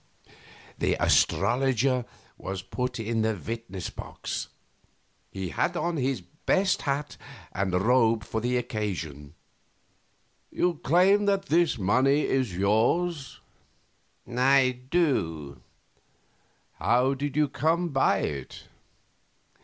The astrologer was put in the witness box. He had on his best hat and robe for the occasion. Question. You claim that this money is yours? Answer. I do. Q. How did you come by it?